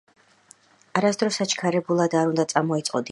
არასდროს აჩქარებულად არ უნდა წამოიწყო დიდი საქმე,